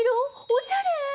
おしゃれ！